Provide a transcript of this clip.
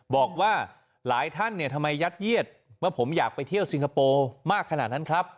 บอกว่าหลายท่านเนี่ยทำไมยัดเยียดว่าผมอยากไปเที่ยวซิงคโปร์มากขนาดนั้นครับ